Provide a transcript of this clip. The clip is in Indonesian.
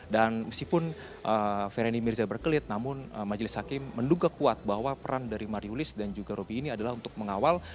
dan meskipun feryandi mirza berkelit namun majelis hakim menduga kuat bahwa peran dari marihulis dan juga rupi ini adalah untuk mengawal